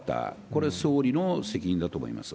これ、総理の責任だと思います。